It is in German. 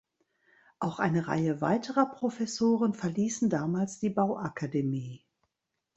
Auch eine Reihe weiterer Professoren verließen damals die Bauakademie.